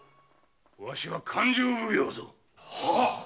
わしは勘定奉行ぞ。